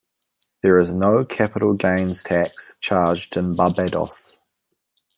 There is no capital gains tax charged in Barbados.